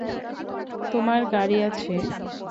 তোমার গাড়ি আছে!